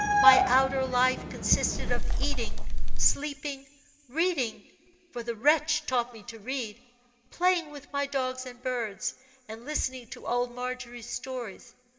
My outer life consisted of eating, sleeping, reading for the wretch taught me to read playing with my dogs and birds, and listening to old Margery's stories.